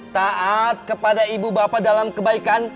taat kepada ibu bapak dalam kebaikan